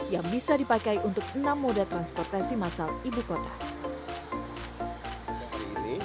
yang bisa dipakai untuk enam moda transportasi masal ibu kota